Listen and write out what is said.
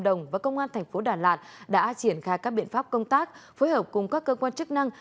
đồng và công an thành phố đà lạt đã triển khai các biện pháp công tác phối hợp cùng các cơ quan chức năng